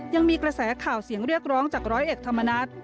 ยังมีกระแสข่าวเสียงเรียกร้องจากร้อยเอกธรรมนัฐ